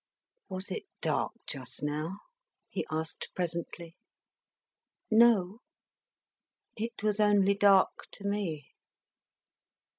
"Was it dark just now?" he asked presently. "No." "It was only dark to me?